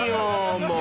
もう。